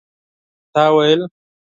تا ويل